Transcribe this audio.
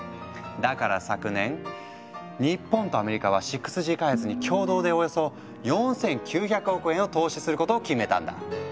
だから昨年日本とアメリカは６Ｇ開発に共同でおよそ４，９００億円を投資することを決めたんだ。